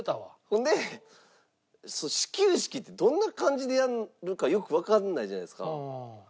ほんで始球式ってどんな感じでやるかよくわからないじゃないですか。